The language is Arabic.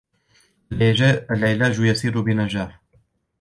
العلاج يسير بنجاح